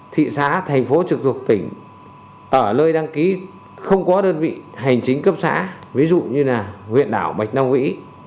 thị xã thành phố trực thuộc tỉnh ở nơi đăng ký không có đơn vị hành chính cấp xã ví dụ như là huyện đảo bạch long vĩ